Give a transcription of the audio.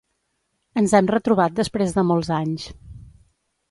Ens hem retrobat després de molts anys.